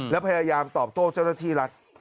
และพยายามตอบโต้เจ้าหน้าที่รัฐ